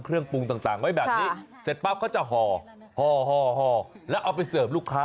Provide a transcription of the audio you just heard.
เขาจะหอแล้วเอาไปเสริมลูกค้า